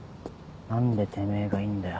何でてめぇがいんだよ。